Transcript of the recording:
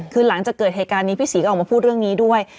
คือหลังจากเกิดเหตุการณ์นี้พี่ศรีก็ออกมาพูดเรื่องนี้ด้วย